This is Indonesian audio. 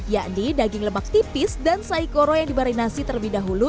yakni daging lemak tipis dan saikoro yang dimarinasi terlebih dahulu